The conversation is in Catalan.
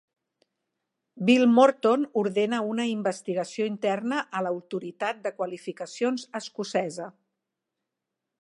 Bill Morton ordena una investigació interna a l'Autoritat de Qualificacions Escocesa.